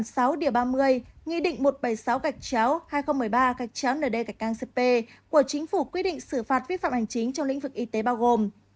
theo quy định tài khoản sáu ba mươi nghị định một trăm bảy mươi sáu hai nghìn một mươi ba nd cp của chính phủ quy định xử phạt vi phạm hành chính trong lĩnh vực y tế bao gồm